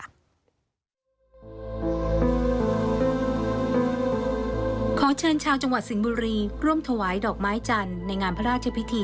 ขอเชิญชาวจังหวัดสิงห์บุรีร่วมถวายดอกไม้จันทร์ในงานพระราชพิธี